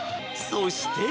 そして。